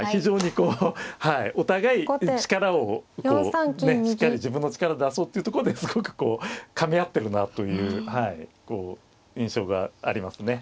こうお互い力をこうねしっかり自分の力出そうっていうとこですごくこうかみ合ってるなという印象がありますね。